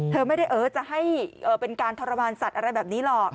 เธอไม่ได้เออจะให้เป็นการทรมานสัตว์อะไรแบบนี้หรอก